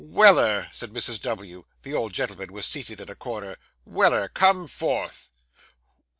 'Weller,' said Mrs. W. (the old gentleman was seated in a corner); 'Weller! Come forth.